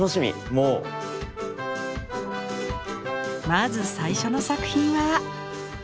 まず最初の作品は。